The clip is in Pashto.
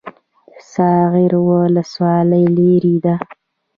ساغر ولسوالۍ لیرې ده؟